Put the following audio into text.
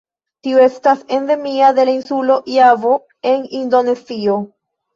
Tiu estas endemia de la insulo Javo en Indonezio.